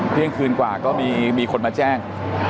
เที่ยงคืนกว่าก็มีคนมาแจ้ง